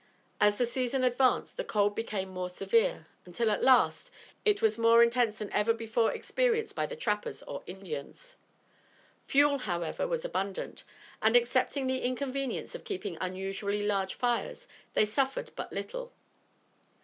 As the season advanced, the cold became more severe, until at last, it was more intense than ever before experienced by the trappers or Indians. Fuel, however, was abundant, and, excepting the inconvenience of keeping unusually large fires, they suffered but little.